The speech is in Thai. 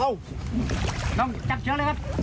นั่นว่างว่าง